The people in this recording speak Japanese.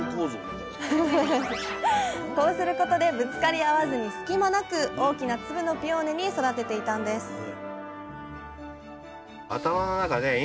こうすることでぶつかり合わずに隙間なく大きな粒のピオーネに育てていたんですわお！